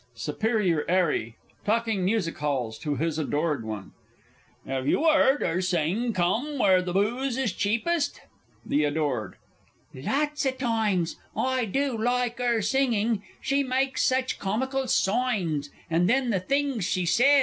SUPERIOR 'ARRY (talking Musichalls to his Adored One). 'Ave you 'eard her sing "Come where the Booze is Cheapest?" THE ADORED. Lots o' toimes. I do like 'er singing. She mykes sech comical soigns and then the things she sez!